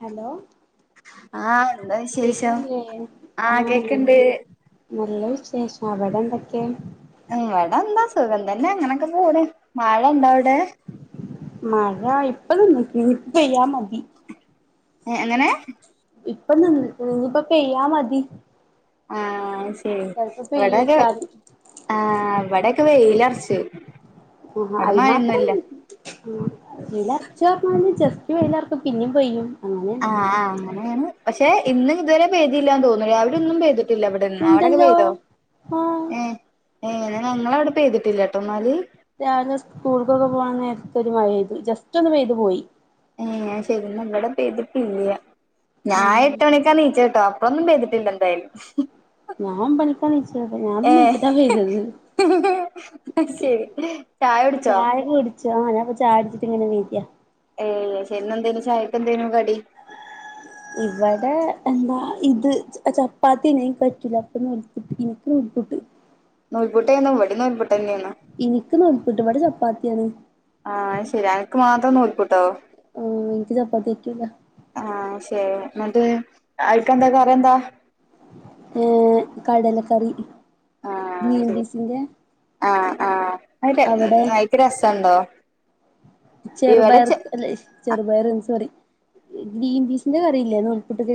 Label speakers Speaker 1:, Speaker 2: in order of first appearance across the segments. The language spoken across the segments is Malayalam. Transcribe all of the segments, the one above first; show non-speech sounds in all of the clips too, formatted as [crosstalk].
Speaker 1: ഹലോ
Speaker 2: ആഹ് എന്താ വി
Speaker 1: ഇതല്ലേ ആഹ് നൽ നല്ല വിശേഷം അവിടെ എന്തൊക്കെ?
Speaker 2: ഇവടെന്താ സുഖം തന്നെ അങ്ങനൊക്കെ പോണ് മഴണ്ടോ അവിടെ?
Speaker 1: മഴ ഇപ്പ നിന്നിക്ക് ഇനി പെയ്യാ മതി
Speaker 2: ഏഹ് എങ്ങനെ
Speaker 1: ഇപ്പ നിന്നിക്ക്ണ് ഇനിയിപ്പ പെയ്യാ മതി
Speaker 2: ആഹ് ശരി
Speaker 1: ചെലപ്പോ
Speaker 2: ഇവിടൊരു
Speaker 1: പെയ്യോയ്ക്കാരം
Speaker 2: ആഹ് ഇവിടെക്ക വെയിലൊറച്ച്
Speaker 1: ആഹ് അയിന് മാത്രം [unintelligible] വെയിലൊറച്ച് പറഞ്ഞാല് ജസ്റ്റ് വെയിലൊറക്കും പിന്നേം പെയ്യും അങ്ങനെണ്
Speaker 2: ആഹ് ആഹ് അങ്ങനെയാണ് പക്ഷെ ഇന്ന് ഇതുവരെ പെയ്തില്ലാ തോന്ന് രാവിലെയൊന്നും പെയ്തിട്ടില്ല ഇവിടെന്ന് അവിടൊക്കെ
Speaker 1: ഇണ്ടല്ലോ
Speaker 2: പെയ്തോ
Speaker 1: ആഹ്
Speaker 2: ഏഹ് എഹ് ഞങ്ങളവിടെ പെയ്തിട്ടില്ലാട്ടൊ എന്നാല്
Speaker 1: രാവിലെ സ്കൂൾക്കൊക്ക പോവാം നേരത്തൊരു മഴ പെയ്തു ജസ്റ്റ് ഒന്ന് പെയ്ത് പോയി
Speaker 2: ഏഹ് ശരിന്ന ഇവിടെ പെയ്തിട്ടില്ല ഞാൻ
Speaker 1: ഉം
Speaker 2: എട്ട് മണിക്കാണീച്ച കേട്ടോ ഒന്നും പെയ്തിട്ടില്ല എന്തായാലും
Speaker 1: ഞാൻ ഒമ്പണിക്ക എണീച്ചത് ഞാൻ എണീച്ചിട്ട പെയ്തത്
Speaker 2: അത് ശരി ചായ കുടിച്ചോ
Speaker 1: ചാ ഞാൻ ഇപ്പോ ചായകുടിച്ചിട്ട് ഇങ്ങനെണീക്കാ
Speaker 2: ഏഹ് ചെന്നന്തേനു ചായക്കെന്തേനു കടി
Speaker 1: ഇവടെ എന്താ ഇത് ച ചപ്പാത്തി എനിക്ക് പറ്റൂല അപ്പ നൂൽപുട്ട് എനിക്ക് നൂൽപുട്ട്
Speaker 2: നൂൽപുട്ടേന്നാ ഇവടേം നൂൽപൂട്ടന്നെയാണ്
Speaker 1: എനിക്ക് നൂൽപുട്ട് ഇവടെ ചപ്പാത്തിയാണ്
Speaker 2: ആഹ് ശരി അനക്ക് മാത്രം നൂൽപ്പുട്ടോ?
Speaker 1: എനിക്ക് ചപ്പാത്തി പറ്റൂല
Speaker 2: ആഹ് ശരി എന്നിട്ട് ആയിക്കെന്താ കറി എന്താ?
Speaker 1: ഏഹ് കടലക്കറി
Speaker 2: ആഹ്
Speaker 1: ഗ്രീൻ
Speaker 2: ശരി
Speaker 1: പീസിന്റെ
Speaker 2: ആഹ് ആഹ്
Speaker 1: അവിടെ
Speaker 2: [unintelligible] രസൊണ്ടോ?
Speaker 1: ചെറുപയർ അല്ലെ ചെറുപയറ് സോറി ഗ്രീൻ പീസിന്റെ കറി ഇല്ലേ നൂൽപൂട്ടിക്ക്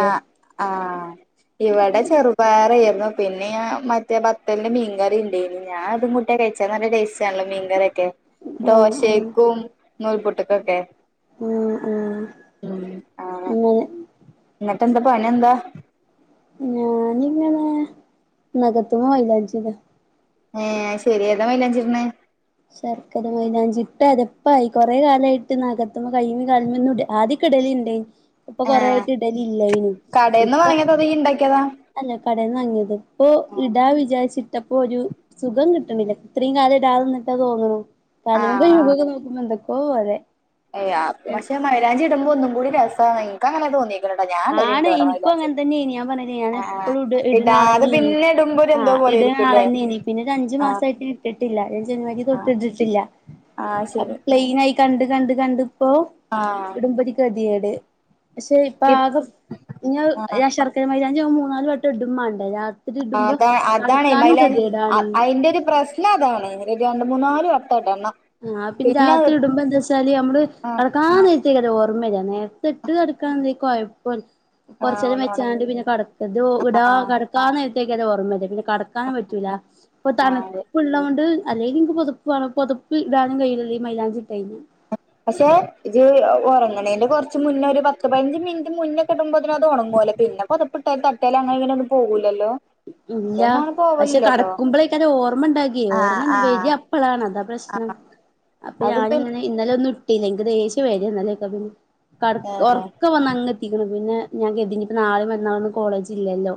Speaker 2: ആഹ്‌ ആഹ്‌ ഇവിടെ ചെറുപയറേരുന്നു പിന്നേ മറ്റേ ബത്തലിന്റെ മീൻകറിയിണ്ടേന് ഞാൻ അതും കൂ ട്ടി കഴിച്ചാ നല്ല ടേസ്റ്റ് ആണ് മീൻകറിയൊക്കെ
Speaker 1: ആ ആ
Speaker 2: ദോശക്കും നൂൽപൊട്ടക്കൊക്കെ
Speaker 1: മ്മ് മ്മ്
Speaker 2: ആഹ് എന്നിട്ട് എന്ത്‌ പണി എന്താ?
Speaker 1: ഞാനിങ്ങനെ നഖത്തുമ്മെ മൈലാഞ്ചി ഇടാ
Speaker 2: ഏഹ്‌ ശരി ഏതാ മൈലാഞ്ചി ഇടണേ?
Speaker 1: ശർക്കരമൈലാഞ്ചി ഇട്ട അതെപ്പായി കൊറേ കാലായിട്ട് നഖത്തുമ്പോ കയ്യിമ്മേം കാലിമ്മേന്നു ഇട് ആദ്യ ക്ക ഇടലിണ്ട് ഇപ്പ കൊറേ
Speaker 2: ഏഹ്
Speaker 1: ആയിട്ട് ഇടലില്ലായിന്നു ഇപ്പൊ
Speaker 2: ഇപ്പ ഈ ഇണ്ടാക്കിയതാ
Speaker 1: അല്ല കടേന്ന് വാങ്ങിയത് ഇപ്പോ ഇടാ വിചാരിച്ചിട്ടപ്പോ ഒരു സുഖം കിട്ടണില്ല ഇത്രേം കാലം ഇടാതിരുന്നിട്ടാ തോന്നുണു കാലും
Speaker 2: ആഹ്
Speaker 1: കയ്യും ഒക്കെ നോക്കുമ്പോ എന്തക്കോ പോലെ
Speaker 2: ഏഹ് അ പക്ഷേ മൈലാഞ്ചി ഇടുമ്പോ ഒന്നും കൂടി രസാ എനിക്കങ്ങനാ തോന്നിയെ
Speaker 1: ആണ് എനിക്കും അങ്ങനെ തന്നെനി ഞാൻ പറഞ്ഞില്ലേ ഞാന്
Speaker 2: ആഹ്
Speaker 1: എപ്പഴും ഇട്
Speaker 2: ഇടാതെ
Speaker 1: ഇട്ന്നാളന്നേനി
Speaker 2: പിന്നെ ഇടുമ്പോ ഒരു എന്തോ
Speaker 1: ആഹ്‌
Speaker 2: പോലെ
Speaker 1: ഇട്
Speaker 2: ആയിരിക്കുംല്ലേ
Speaker 1: ആളന്നേനി പിന്നൊരു അഞ്ച്
Speaker 2: ആഹ്
Speaker 1: മാസായിട്ട് ഇട്ടിട്ടില്ല ഈ ജനുവരി
Speaker 2: ആഹ്
Speaker 1: തൊട്ട് ഇട്ടിട്ടില്ല
Speaker 2: ആഹ്
Speaker 1: അ
Speaker 2: ശരി
Speaker 1: പ്ലെയിനായി കണ്ട് കണ്ട് കണ്ടിപ്പോ
Speaker 2: ആഹ്
Speaker 1: ഇടുമ്പൊരൂ ഗതികേട് പക്ഷെ
Speaker 2: ഇ
Speaker 1: പ്പാകും
Speaker 2: ആഹ്
Speaker 1: ഞാ ശർക്കരമൈലാഞ്ചിയാവുമ്പ മൂന്നാല് വട്ടം ഇടും വേണ്ട ഞാ
Speaker 2: അതാ അതാണ് മൈലാ അ അയിന്റൊരു പ്രശ് എല്ലാതാണ് ഒരു രണ്ട് മൂന്നാല് വട്ട ഇടണ്ണം
Speaker 1: [unintelligible] ൻ്റെഅകത്തിടുമ്പോ എന്താ വെച്ചാല് നമ്മള്
Speaker 2: ആഹ്
Speaker 1: അ [unintelligible] ഓർമ്മഇല്ല നേരത്തെ ഇട്ട് കടുക്കാ കൊഴപ്പില്ല
Speaker 2: ആഹ്
Speaker 1: കുറച്ചരം
Speaker 2: ഒന്നോടെ
Speaker 1: വെച്ചാണ്ട് പിന്നെ കടത് ഇത് ഇട
Speaker 2: ആഹ്
Speaker 1: കടക്കാ നേരത്തേക്ക അത് ഓർമ്മയില്ല പിന്നെ കട ക്കാനും പറ്റൂല ഇപ്പൊ
Speaker 2: ആഹ് അതെ
Speaker 1: തണുപ്പ്ഉള്ളോണ്ട് അല്ലെലും എനിക്ക് പൊതപ്പ് വേണം പൊത പ്പ് ഇടാനും കഴിയില്ലല്ലോ മൈലാഞ്ചിട്ടായിന്ന്
Speaker 2: പക്ഷെ ഇത് ഉറങ്ങണന്റെ കൊറച്ച് മുന്നേ ഒരു പത്ത് പഞ്ച് മിനിറ്റ് മുന്നേ കിടുമ്പോതിനന് അത് ഉണങ്ങ്ലെ പിന്നെ പൊതപിട്ട തട്ടേൽ അങ്ങന ഇങ്ങനെ ഒന്നും പോവൂല്ലല്ലോ
Speaker 1: ഇല്ല പക്ഷെ കടക്കുമ്പോളേക്ക ഓർമ്മ ഉണ്ടാാക്കിയേ
Speaker 2: ആഹ്
Speaker 1: ഓർമ്മ
Speaker 2: ആഹ്
Speaker 1: വരിക അപ്പളാണ് അത പ്രശ്നം അപ്പൊ
Speaker 2: അത് പിന്നെ
Speaker 1: ഞാനിങ്ങനെ ഇന്നലെ ഒന്നും ഇട്ടില്ല എനിക്ക് ദേഷ്യം വരും ഇന്നലേ കട
Speaker 2: ഏഹ്
Speaker 1: ഉറക്കെ വന്ന് അങ് എത്തിക്കണം പിന്നെ ഞാൻ കരുതി നാളെയും മറ്റന്നാളൊന്നും കോളേജില്ലല്ലോ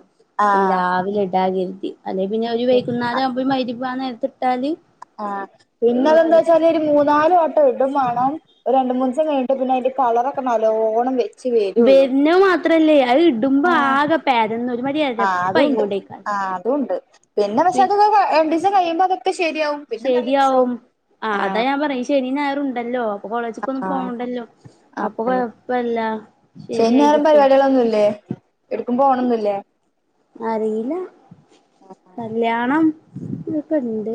Speaker 1: പിന്നെ രാവിലെ ഇടാകരുതി അല്ലെ പിന്നെ ഒരുര്
Speaker 2: ആഹ്
Speaker 1: വൈകുന്നേരം ആവുമ്പോ മഗ്രിബാ നേരത്തി ഇട്ടാല്
Speaker 2: ആഹ പിന്നതെന്താ വച്ചാൽ ഇത് ഒരു മൂന്നാല് വട്ടം ഇടും വേണം രണ്ടു മൂസം കഴിഞ്ഞട്ട് പിന്നെ അതിന്റെ കളറൊക്കെ നല്ലോണം വ
Speaker 1: വരുന്ന മാത്രല്ലേ അത് ഇടുമ്പോ
Speaker 2: ആഹ്
Speaker 1: ആകെ പെരെന്ന് ഒരു മാതിരി
Speaker 2: ആഹ്
Speaker 1: എരപ്പ
Speaker 2: അതുണ്ട്
Speaker 1: ഇങ്ങോട്ടേ
Speaker 2: ആഹ് അതൊണ്ട് പിന്നെ പക്ഷെ അത് രണ്ടിസം കഴിയുമ്പോ അതൊക്കെ ശെരിയാവും
Speaker 1: ശരിയാവും ആഹ അതാ ഞാൻ പറയും ശനി ഞായറുണ്ടല്ലോ കോളേജ്ക്കൊന്നും
Speaker 2: ആഹ്
Speaker 1: പോണ്ടല്ലോ അപ്പൊ
Speaker 2: ആഹ്
Speaker 1: കൊഴപ്പല്ല ശരിയായി കിട്ടും
Speaker 2: അതൊന്നുല്ലെ എടുക്കുമ്പോണംന്നില്ലേ
Speaker 1: അറിയില്ല കല്യാണം ക്കെ ണ്ട്.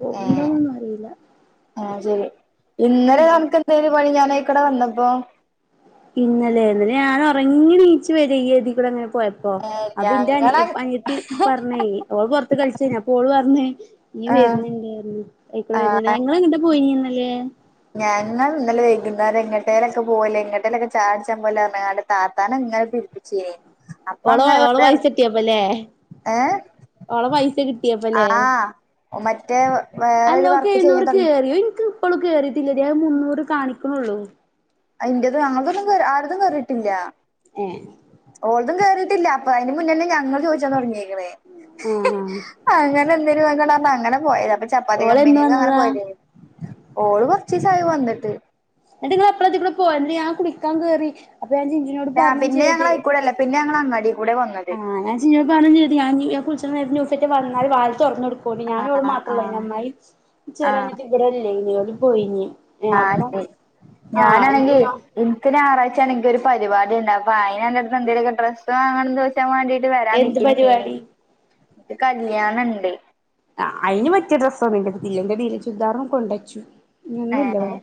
Speaker 1: പോകുണ്ടോന്നൊന്നും അറീല്ല
Speaker 2: ഏഹ് ശരി. ഇന്നലെ നെനക്ക് എന്തേനി പണി ഞാനയ്ക്കൂടെ വന്നപ്പം
Speaker 1: ഇന്നലെ ഇന്നലെ ഞാൻ ഒറങ്ങി നീച്ചു വരേ ഇയ്യ് തി കൂടെ ങ്ങനെ പോയ പ്പൊ.
Speaker 2: ഏഹ്
Speaker 1: അപ്പൊ ഇന്റെ അനി
Speaker 2: ഞങ്ങളെ
Speaker 1: അനിയത്തി പറഞ്ഞെ ഓള് പൊർത്ത് കളിച്ചേനി അപ്പോള് പറഞ്ഞ് ഇയ്യ്
Speaker 2: ആഹ്
Speaker 1: വര്ന്ണ്ട് പർഞ് അയിക്കൂടെ
Speaker 2: ആഹ്
Speaker 1: വര് ന്ണ്ട്. ഇങ്ങളെ ങ്ങട്ടാ പോയിന്യ ഇന്നലേ
Speaker 2: ഞാൻങ്ങൾ ഇന്നലെ വൈകുന്നേരം എങ്ങട്ടേലൊക്കെ പോവല്ലേ എങ്ങട്ടേലൊക്കെ ചായുട്ച്ചാ പോവല്ലേ പർഞ്ങ്ങാണ്ട് താത്താനെ ഇങ്ങെനെ പിര് പിച്ചീനി
Speaker 1: ഓള ഓള പൈസ കിട്ടിയേപ്പല്ലേ
Speaker 2: ഏ
Speaker 1: ഓളെ പൈസ കിട്ടിയേപ്പല്ലേ
Speaker 2: ആഹ് മറ്റേ വേറൊരു
Speaker 1: അല്ലോക്ക്
Speaker 2: വർക്ക് ചെയ്യാൻ
Speaker 1: എഴുന്നൂറ്
Speaker 2: തുടങ്ങി
Speaker 1: കേറ്യോ? ഇൻക്ക് ഇപ്പളും കേറിയിട്ടില്ലടി അത് മുന്നൂറ് കാണിക്ക്ണൊള്ളൂ
Speaker 2: അത് ൻ്റതും ഞങ്ങൾതൊന്നും കേറ് ആരതും കേറീട്ടില്ല
Speaker 1: ഏഹ്
Speaker 2: ഓൾതും കേറിട്ടില്ല അപ്പൊ അയിന് മുന്നെന്നെ ഞങ്ങൾ ചോയിച്ചാ തൊട്ങ്ങി [unintelligible]
Speaker 1: ആഹ്
Speaker 2: അങ്ങനെ എന്തേലും ന്നെക്കണ്ട് പർഞ് അങ്ങനെ പോയതാ. അപ്പ ചപ്പാത്തി
Speaker 1: ഓള് എന്ന്
Speaker 2: കമ്പനീക്കങ്ങനെ
Speaker 1: വന്നതാ
Speaker 2: പോയതേനി. ഓള് കൊർച്ചീസായി വന്നിട്ട്
Speaker 1: ഇന്നെട്ട് നിങ്ങള് എപ്പളാതിക്കൂടെ പോയത് ന്നട്ട് ഞാൻ കുളിക്കാൻ കേറി അപ്പൊ ഞാൻ ചിഞ്ചുനോട് പർഞ്ഞും
Speaker 2: പിന്നെ
Speaker 1: ചെയ്ത്
Speaker 2: ഞങ്ങള് അയിക്കൂടല്ല പിന്നെ ഞങ്ങൾ അങ്ങാടീകൂടെ വന്നത്
Speaker 1: ആഹ് ഞാൻ ചിഞ്ചുനോട് പറഞ്ഞും ചെയ്ത് ഞാൻ ഇഞ്ഞ് കുൾച്ച്ണ നേരത്ത് നുസ റ്റെ വന്നാൽ വാതില് തൊർന്നൊടു ക്കോണ്ടി. ഞാനും ഇവളും
Speaker 2: ആഹ്
Speaker 1: മാത്രൊള്ളേനി.
Speaker 2: ആഹ്
Speaker 1: അമ്മായിം ചെറിയ
Speaker 2: ആഹ്
Speaker 1: അനിയത്തിം വടെ ഇല്ലേനി. ഓല് പോയീനി.
Speaker 2: ആഹ് [unintelligible] ഞാനാണെങ്കി ഇൻക്ക് ഞായറാഴ്ചാണങ്കി ഒരു പരിപാടി ണ്ട്. അപ്പം അയിനൻ്റെ ട്ത്ത് ന്ന് എന്തങ്കിലൊക്കെ ഡ്രസ്സ് വാങ്ങണം ന്ന് വ ച്ചാൻ വാണ്ടീട്ട് വരാൻ
Speaker 1: എന്ത്
Speaker 2: നിക്കന്നീനി.
Speaker 1: പരിപാടി
Speaker 2: ഇൻക്ക് കല്യാണണ്ട്
Speaker 1: ആഹ് അയ്ന് പറ്റിയ ഡ്രസ്സൊന്നും ഇൻ്റട്ത്തില്ല. ഇൻ്റെ നീല ചുരിദാറും കൊണ്ടച്ചു ഇനി ഒന്നുമില്ല
Speaker 2: ഏഹ്
Speaker 1: ഇവിടെ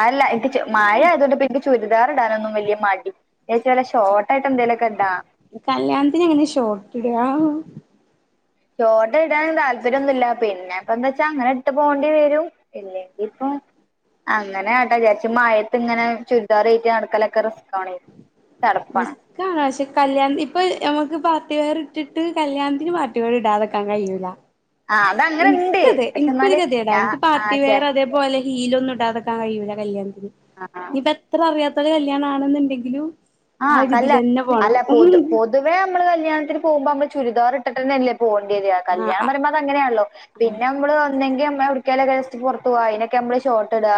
Speaker 2: അ അല്ല ഇത് റ്റ് മഴ ആയതോണ്ട് ഇപ്പിൻക്ക് ചുരിദാർ ഇടാനൊന്നും വലിയ മടി. [unintelligible] ഷോർട്ടായിട്ട് എന്തേലൊക്കെ ടാ
Speaker 1: കല്യാൺത്തിന് എങ്ങനെ ഷോട്ടിടാ
Speaker 2: ഷോട്ട് ഇടാൻ താല്പര്യൊന്നുല്ല പിന്നെപ്പ ന്താ ച്ചാ അങ്ങനെ ഇട്ട് പോണ്ടി വരും. ഇല്ലെങ്കി ഇപ്പൊ അങ്ങനെ കാട്ടാ വിചാര്ച്ച്. മഴത്ത് ഇങ്ങനെ ചുരിദാറേറ്റ് നടക്കലൊക്കെ റിസ്കാണേ
Speaker 1: റിസ്
Speaker 2: ചടപ്പാണ്
Speaker 1: കാണ്. പക്ഷെ കല്യാൺ ഇപ്പൊ നമ്മക്ക് പാർട്ടി വെയർ ഇട്ടിട്ട് കല്യാൺത്തിന് പാർട്ടി വെയർ ഇടാതക്കാൻ കഴിയൂല
Speaker 2: ആഹ് അതങ്ങനെ ഇണ്ട്
Speaker 1: ഇൻക്ക് ഇത്
Speaker 2: പക്ഷെ
Speaker 1: ഇൻക്കൊരു
Speaker 2: എന്നാല്
Speaker 1: കെത്യേടാ
Speaker 2: ഞാ
Speaker 1: ഇൻക്ക്
Speaker 2: ആ
Speaker 1: പാർട്ടി
Speaker 2: ചെ
Speaker 1: വെയർ അതേ പോലെ ഹീലൊന്നും ഇടാതക്കാൻ കയ്യൂല കല്യാൺത്തിന്.
Speaker 2: ആഹ്
Speaker 1: ഇനിപ്പെ ത്ര അറിയാത്തോലെ കല്യാണാണെന്നുണ്ടെങ്കിലും ആ ഒരുതിലന്നെ പോണം
Speaker 2: തുവേ നമ്മള് കല്യാണത്തിന് പോകുമ്പം നമ്മള് ചുരിദാർ ഇട്ടിട്ട്ന്നെല്ലേ പോണ്ട്യത്.
Speaker 1: ആ
Speaker 2: കല്യാണം പറിമ്പോ അതങ്ങനെയാണല്ലോ പിന്നെ നമ്മള് ഒന്നെങ്കി നമ്മള് യൊട്ക്കേലൊക്കെ ജസ്റ്റ് പുറത്ത് പോവാ അയ്നൊക്കെ നമ്മള് ഷോട്ട് ഇടാ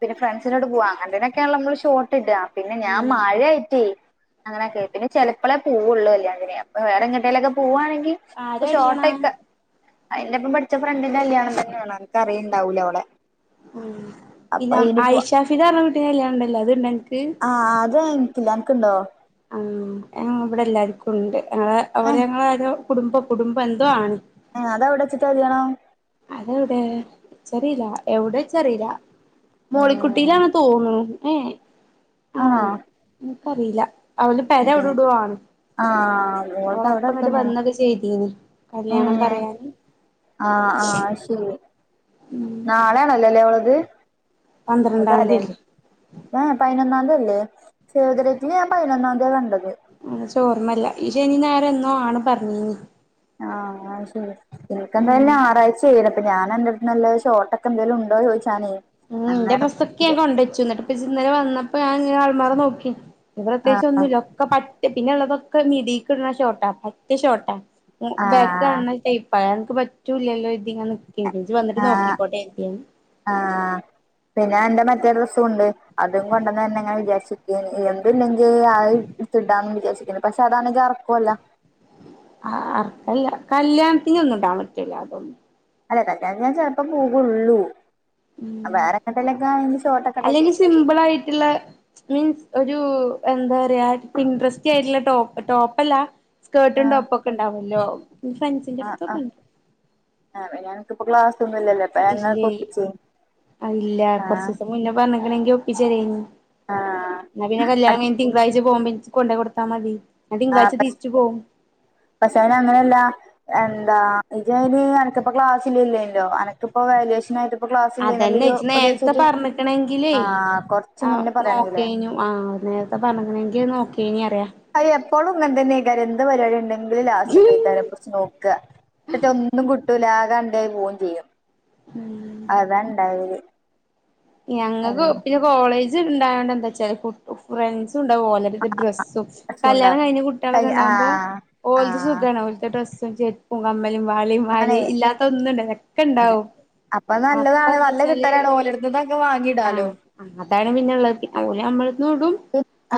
Speaker 2: പിന്നെ ഫ്രണ്ട്സിനോട് പോവാ. അങ്ങൻതേനൊക്കേണല്ലോ നമ്മള് ഷോട്ട് ഇടാ പിന്നെ ഞാൻ മഴയായി റ്റേ, അങ്ങനെയൊക്കെ പിന്നെ ചെലപ്പളേ പോവൊള്ളൂ കല്യാണത്തിന് അപ്പൊ വേറെ എങ്ങട്ടേലൊക്കെ പോവാണെങ്കി ഇപ്പൊ
Speaker 1: ആരാ കല്യാണം
Speaker 2: ഷോർട്ടക്ക, അയിന്റെപ്പം പഠിച്ച ഫ്രണ്ടിന്റെ കല്യാണം തന്നെണ് അൻക്ക് അറിണ്ടാവൂല ഓളെ
Speaker 1: ഉം.
Speaker 2: അപ്പൊ
Speaker 1: പിന്നെ
Speaker 2: അയിന് പോ
Speaker 1: ആയിഷാ ഫിദ ന്ന് പറഞ്ഞ കുട്ടിൻ്റെ കല്യാണം ണ്ടല്ലോ അത്ണ്ടോ അൻക്ക്
Speaker 2: ആഹ് അത് എൻക്കില്ല അനക്ക്ണ്ടോ
Speaker 1: ആഹ്. അത് ഞങ്ങളെവടെ എല്ലാർക്കുണ്ട്. ഞങ്ങളെ അവര്
Speaker 2: ഏഹ്
Speaker 1: ഞങ്ങളെ ആരോ കുടുംബം കുടുംബം എന്തോ ആണ്
Speaker 2: ഏഹ് അതെവിടെച്ചിട്ടാ കല്യാണം?
Speaker 1: അതെ വ്ടെ ഇച്ചറീലാ എവിടെ ഇച്ചറീല
Speaker 2: ഏഹ്
Speaker 1: മോളിക്കുട്ടീലാണ് തോന്നുണു ഏയേ ആണോ ഇന്ക്കറീല അവല പെര അവിടെ
Speaker 2: ഏഹ്
Speaker 1: എവിടോ ആണ്
Speaker 2: ആഹ് ഓൾത്
Speaker 1: ഓളെപ്പ
Speaker 2: അവിടെ
Speaker 1: ഇങ്ങട്ട്
Speaker 2: അടുത്തന്നെയാണ്
Speaker 1: വന്നൊക്കെ ചെയ്തീനി കല്യാണം
Speaker 2: ഏഹ്
Speaker 1: പറയാന്
Speaker 2: ആഹ് ആഹ് അയ് ശരി. നാളേണല്ലേ ല്ലേ ഓളത്. ഇന്ന്
Speaker 1: പന്ത്രണ്ടാം
Speaker 2: തലേന്ന്
Speaker 1: തീയതി
Speaker 2: ഏഹേ പയിനൊന്നാംതി അല്ലെ സേവ് ദേ ഡേറ്റ് ന് ഞാൻ പതിനൊന്നാംതിയ കണ്ടത്
Speaker 1: അത് ചോർമ്മല്ല ഈ ശനിം ഞായറും എന്നോ ആണ് പറഞ്ഞീനി
Speaker 2: ആഹ് അത് ശെരി എനിക്കെന്തായാലും ഞായാഴ്ചേകരം അപ്പ ഞാൻ അന്റെ അടുതുന്ന് നല്ല ഷോട്ടക്കെ എന്തേലും ഉണ്ടോ ചോദിച്ചാനേ
Speaker 1: ഉം ഇന്റെ
Speaker 2: അങ്ങനെ
Speaker 1: ഡ്രസ്സോക്കെ ഞാൻ
Speaker 2: വിചാ
Speaker 1: കൊണ്ടേച്ചു എന്നിട്ട് ഇപ്പ ഇജ്ജ് ന്നലെ വന്നപ്പോ ഞാൻ ഇങ്ങന അൾമാറ നോക്കി ഇത്
Speaker 2: ആഹ്
Speaker 1: പ്രത്യേകിച്ച്
Speaker 2: ആഹ്
Speaker 1: ഒന്നുല്ല ഒക്കെ പറ്റ പിന്നെ ഉള്ളതൊക്കെ മിഡിക്കിടണ ഷോട്ട പറ്റ ഷോർട്ടാ ബാക്ക്
Speaker 2: ആഹ്
Speaker 1: കാണ്ണ ടൈപ്പ അതനക്ക് പറ്റൂല്ലല്ലോര്‌തികാണ്ട് ഇനിജ്ജ് വന്നിട്ട്
Speaker 2: ആഹ്
Speaker 1: നോക്കിക്കോട്ടെ കരുതി ഞാന്
Speaker 2: ആഹ് പിന്നെ ഞാനന്റെ മറ്റേ ഡ്രെസ്സുംണ്ട് അതും കൊണ്ടന്ന് തരണംന്ന് ങ്ങനെ വിചാരിച്ചിരിക്കെന്ന് ഇത്ണ്ടെങ്കി അതെടുത്ത് ഇടാന്ന് വിചാരിച്ചിരിക്കെന്ന് പക്ഷെ അതാണെങ്കിൽ ഇറക്കുല്ല
Speaker 1: ആഹ് അല്ല കല്യാണത്തിനൊന്നും ഇടാൻ പറ്റൂല്ല അതൊന്നും
Speaker 2: അല്ല കല്യാണത്തിന് ഞാൻ ചെലപ്പം പോകള്ളൂ വേറെ എങ്ങട്ടലൊക്കെ ഷോട്ടക്കെ ഇടാവിചാരിച്ചിട്ടേ
Speaker 1: ലൈയിട്ട്ള്ള മീൻസ് ഒരു എന്താ പറയാ പിൻട്രസ്റ്റി ആയിട്ടുള്ള ടോപ്പ് ടോപ്പല്ല സ്കേർട്ടും
Speaker 2: ആഹ്
Speaker 1: ടോപ്പൊക്കെണ്ടാവുല്ലോ ഇൻ്റെ ഫ്രണ്ട്സിന്റെ
Speaker 2: ആഹ്
Speaker 1: അടുത്തൊക്കെ
Speaker 2: ആഹ്
Speaker 1: ണ്ട്
Speaker 2: ആഹ് ഞങ്ങക്കിപ്പോ ക്ലാസൊന്നും ഇല്ലല്ലോ അപ്പൊ ഞങ്ങൾക്ക്
Speaker 1: ഇല്ലേ
Speaker 2: ഒപ്പിച്ചേ
Speaker 1: അഹ് ഇല്ല
Speaker 2: ആഹ്
Speaker 1: കുറച്ചിസം മുന്നേ പറഞ്ഞക്കണെങ്കി ഒപ്പിച്ചെരെനി
Speaker 2: ആഹ്
Speaker 1: എന്നാ പിന്നെ കല്യാണം കഴിഞ്ഞ് തിങ്കാഴ്ച പോകുമ്പ ഇന്ക്ക് കൊണ്ടേ കൊടുത്താൽ മതി ഞാൻ തിങ്കളാഴ്ച തിരിച്ചു പോവും
Speaker 2: പഷേ അയ്ന് അങ്ങനെല്ല എന്താ ഇജയിന് അനക്കിപ്പോ ക്ലാസ്ല്ലല്ലേല്ലോ അനക്കിപ്പോ വാല്യൂഷൻ ആയിട്ട് ഇപ്പോ
Speaker 1: അതന്നെ
Speaker 2: ക്ലാസ്സില്ലേന്നല്ലോ
Speaker 1: ഇജ്ജ്
Speaker 2: ഒരു
Speaker 1: നേരത്തെ
Speaker 2: ദിവസായിട്ട്
Speaker 1: പറഞ്ഞിട്ടണെങ്കിലേ
Speaker 2: ആഹ് കൊറച്ച്
Speaker 1: ആഹ്
Speaker 2: മുന്നേ പറയാണെങ്കിലേ
Speaker 1: നോക്കേനു ആഹ് നേരത്തെ പറഞ്ഞ്ക്കനെങ്കിൽ അത് നോക്കെനി അറിയ
Speaker 2: അത് എപ്പോളും ഇങ്ങനെ തന്നെക്കാരം എന്ത് പരിപാടിണ്ട് ങ്കിലും ലാസ്റ്റ്ക്
Speaker 1: അറിയാ
Speaker 2: ആയിക്കാരം കുറിച്ച് നോക്ക എന്നിട്ടോന്നും കിട്ടൂല ആകെ അൻ്റേത് പോവും ചെയ്യും
Speaker 1: ഉം
Speaker 2: അതാണ്ടാവല്
Speaker 1: ഞങ്ങൾക്ക് പിന്നെ കോളേജ് ഉണ്ടായോണ്ട് എന്താ വച്ചാല് കു ഫ്രണ്ട്സും ണ്ടാവും ഓലെ ത്തെ ഡ്രസ്സും
Speaker 2: അസുഖണ്ടാ
Speaker 1: കല്യാണം കഴിഞ്ഞ കുട്ടികളൊക്കെ
Speaker 2: കഴിഞ്ഞ
Speaker 1: ഉണ്ടാകുമ്പോ
Speaker 2: ആഹ്
Speaker 1: ഓലത്
Speaker 2: ആഹ്
Speaker 1: സുഖാണ് ഓലത ഡ്രസ് ചെരുപ്പും കമ്മലും വളിം
Speaker 2: ആണേ
Speaker 1: മാലി ഇല്ലാത്ത ഒന്നും ഇണ്ട് ഇതൊക്കെ ഇണ്ടാവും അപ്പ എന്താച്ചാല്
Speaker 2: ഇതെക്കെ വാങ്ങി
Speaker 1: ആഹ് അതാണ് പിന്നെള്ളത് ഓല് നമ്മളന്നിടും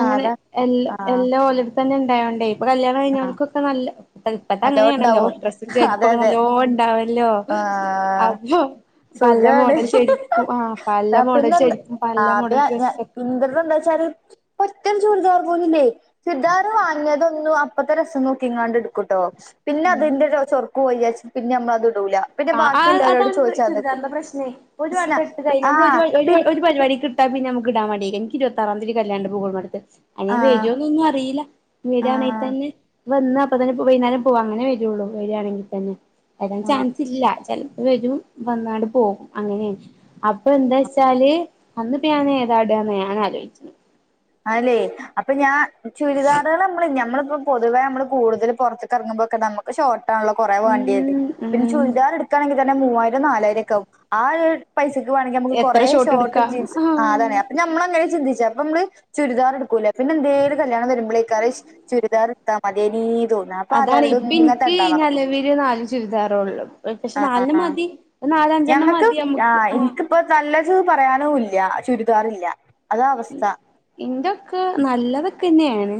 Speaker 2: ആഹ് അതാ
Speaker 1: എല്ലാ
Speaker 2: ആഹ്
Speaker 1: എല്ലാം ഓലടുത്ത തന്നെ ഉണ്ടായോണ്ടേ ഇപ്പൊ കല്യാണം
Speaker 2: ആഹ്
Speaker 1: കഴിഞ്ഞവൾക്കൊക്കെ നല്ല തല്പ്പത് അങ്ങനെയാണല്ലോ
Speaker 2: നല്ലോണ്ടാവും
Speaker 1: ഡ്രസ്സും
Speaker 2: അതെ
Speaker 1: ചേരിപ്പൊക്കെ
Speaker 2: അതെ
Speaker 1: നല്ലോ ഉണ്ടാവ ല്ലോ
Speaker 2: ആഹ്
Speaker 1: അപ്പ പല
Speaker 2: സുഖാണ്
Speaker 1: മോഡൽ ചെരുപ്പും ആഹ് പല
Speaker 2: ആ
Speaker 1: മോഡൽ ചെരിപ്പും പല മോഡൽ ഡ്രസ്ക്കെ
Speaker 2: ഇന്റെതെന്താ വെച്ചാല് ഒറ്റൊരു ചൂരിദാർ പോലുല്ലേ ചുരുദാർ വാങ്ങിയതൊന്നു അ ഇപ്പത്തെ രസം നോക്കി ഇങ്ങാണ്ട് എടുക്കുട്ടോ പിന്നെ അതിന്റെ ചൊറ്ക്ക് പോയ്യാച്ച പിന്നെ നമ്മളത് ഇടൂല പിന്നെ
Speaker 1: ആഹ്
Speaker 2: ബാക്കിയുള്ളവരോട്
Speaker 1: അതാണ്
Speaker 2: ചോദിച്ചാൻ നിക്കും
Speaker 1: ചുരിദാറിന്റെ പ്രശ്നേ ഒരു
Speaker 2: പ്രശ്ന
Speaker 1: വട്ടം ഇട്ട് കഴിഞ്ഞ നമ്മൾ ഒരു
Speaker 2: ആഹ് പിൻ
Speaker 1: ഒരു പരിപാടിക്ക് ഇ ട്ടാ പിന്ന നമുക്ക് ഇടാൻ മടിയേക്കാരം എനിക്ക് ഇരുപത്താറാ തീയതി കല്യാണിണ്ട് പൂകൾ മടുത്ത് അയിന്
Speaker 2: ആഹ്
Speaker 1: വേരുവോന്നും അറിയില്ല വരിവാണെങ്കിൽ
Speaker 2: ആഹ്
Speaker 1: തന്നെ വന്ന് അപ്പ തന്നെ വൈകുന്നേരം പോവാ അങ്ങനെ വരുള്ളൂ വരിയാണെങ്കിൽ തന്നെ വരാൻ
Speaker 2: ആ
Speaker 1: ചാൻസ് ഇല്ല ചിലപ്പോ വരും വന്നാട് പോകും അങ്ങനെയ അപ്പൊ എന്താ വച്ചാല് അന്ന് പ്യാന ഏതാടന്നെയാണ് ഞാനാ ആലോചിച്ചത്
Speaker 2: അല്ലെ അപ്പൊ ഞാൻ ചുരിദാർ നമ്മളപ്പോ പൊതുവേ നമ്മള് കൂടുതൽ പുറത്തറങ്ങുമ്പോക്കെ നമ ഷോർട്ട ആണല്ലോ കുറേ വേണ്ടിയത്
Speaker 1: ഉം
Speaker 2: പിന്ന
Speaker 1: ഉം
Speaker 2: ചുരിദാർ എടുക്കയാണെങ്കിൽ തന്നെ മൂവായിരം നാലായിരം ഒക്കെ ആകും ആഹ് ഒരു പൈസയ്ക്ക് വാണമെങ്കിൽ നമ്മക്ക് കുറെ
Speaker 1: എത്ര ഷോട്ട്
Speaker 2: ഷോർട്ടും
Speaker 1: എടുക്കാ
Speaker 2: ജീൻസ് ആഹ് അതാണ് അപ്പൊ നമ്മൾ അങ്ങനെ ചിന്തിച്ചു അപ്പൊ നമ്മള് ചുരിദാർ എടുക്കൂല്ല പിന്നെ എന്തേലും കല്യാണം വരുമ്പോളേക്കാ അയ്ഷ് ചുരിദാർടുത്താ മതീനി തോന്ന്
Speaker 1: അതാണ് ഇപ്പ എനിക്ക് ഇനി നെലവില് നാല് ചുരിദാറോ ഉള്ളൂ പക്ഷെ
Speaker 2: ആ
Speaker 1: നാലിന് മതി നാലഞ്ചെണ്ണം മതി അമ്മ്ക്ക് ആഹ്
Speaker 2: ഇപ്പോ നല്ലത് പറയാനോ ഇല്ല ചുരിദാറില്ല അതാ അവസ്ഥ
Speaker 1: ഇന്റെക്കെ നല്ലതൊക്കെന്നെയാണ്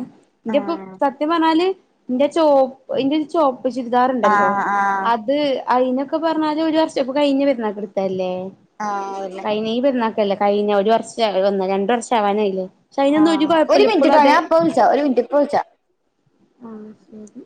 Speaker 2: ആ
Speaker 1: ഇന്റെപ്പോ സത്യം പറഞ്ഞാല് എന്റെ ചോപ്പ ഇന്റെരു ചോ പ്പ്
Speaker 2: ആ
Speaker 1: ചുരിദാറുണ്ടല്ലോ
Speaker 2: ആ
Speaker 1: അത് അയിനൊക്കെ പറഞ്ഞാല് ഒരു വർഷം ഇപ്പോ കഴിഞ്ഞ് പെരുന്നാക്കെടുത്തല്ലേ
Speaker 2: ആഹ് അത് ല്ലേ
Speaker 1: ഇനി ഈ പെരുന്നാക്കല്ലേ കഴിഞ്ഞ ഒരു വർഷം ഒന്ന് രണ്ടു വർഷമാവാനായില്ലേ
Speaker 2: ആഹ് ഒരു മിനിറ്റ്ട്ടാ ഞാ ഇപ്പോ വിളിച്ചാ ഒരു മിനിറ്റ് ഇപ്പോ വിളിച്ചാ
Speaker 1: ആഹ് ശെരി